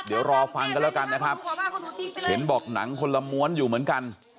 เดี๋ยวรอฟังกันแล้วกันนะครับเห็นบอกหนังคนละม้วนอยู่เหมือนกัน